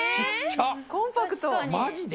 コンパクト。